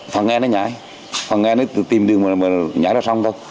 phần nghe nó nhảy phần nghe nó tìm đường mà nhảy ra xong thôi